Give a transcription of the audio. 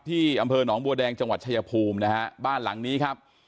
ที่อำเภอหนองบัวแดงจังหวัดชายภูมินะฮะบ้านหลังนี้ครับ